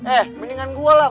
eh mendingan gua lah